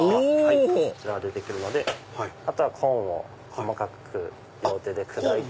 こちらが出てくるのでコーンを細かく両手で砕いて。